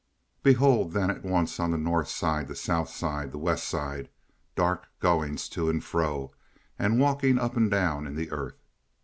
Behold then at once on the North Side, the South Side, the West Side—dark goings to and fro and walkings up and down in the earth.